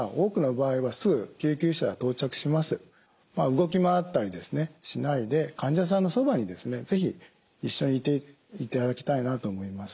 動き回ったりしないで患者さんのそばに是非一緒にいていただきたいなと思います。